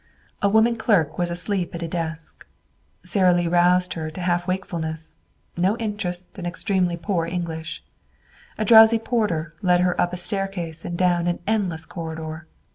A woman clerk was asleep at a desk. Sara Lee roused her to half wakefulness, no interest and extremely poor English. A drowsy porter led her up a staircase and down an endless corridor.